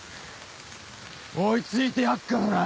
追い付いてやっからな！